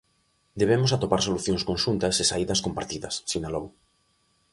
Debemos atopar solucións conxuntas e saídas compartidas, sinalou.